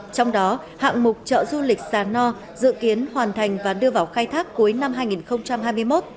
trong đó hạng mục chợ du lịch sà no dự kiến hoàn thành và đưa vào khai thác cuối năm hai nghìn hai mươi một